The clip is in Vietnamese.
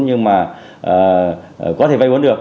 nhưng mà có thể vay vốn được